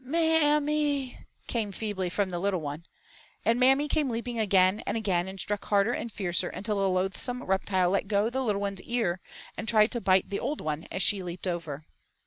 "M a m my," came feebly from the little one. And Mammy came leaping again and again and struck harder and fiercer until the loathsome reptile let go the little one's ear and tried to bite the old one as she leaped over.